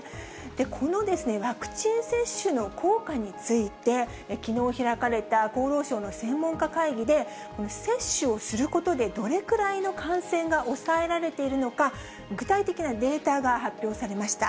このワクチン接種の効果について、きのう開かれた厚労省の専門家会議で接種をすることで、どれくらいの感染が抑えられているのか、具体的なデータが発表されました。